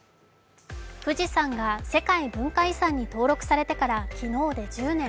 富士山が世界文化遺産に登録されてから昨日で１０年。